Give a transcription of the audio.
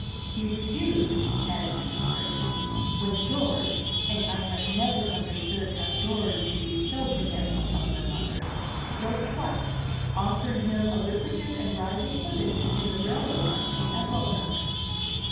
"He refused," added Mrs. Gregory, "when George (and I have never understood how George could be so forgetful of their mother) wrote twice, offering him a lucrative and rising position in the railroad company at Roanoke."